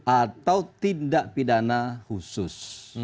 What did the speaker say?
atau tindak pidana husus